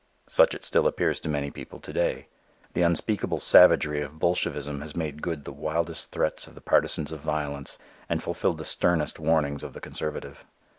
Such it still appears to many people to day. The unspeakable savagery of bolshevism has made good the wildest threats of the partisans of violence and fulfilled the sternest warnings of the conservative.